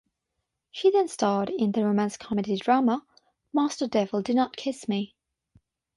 She then starred in the romance comedy drama "Master Devil Do Not Kiss Me".